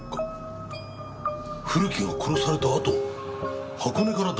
古木が殺されたあと箱根から出されてる。